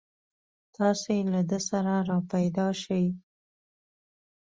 تاسې له ده سره راپیدا شئ.